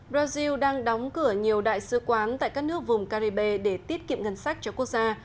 brazil đang đóng cửa nhiều đại sứ quán tại các nước vùng caribe để tiết kiệm ngân sách cho quốc gia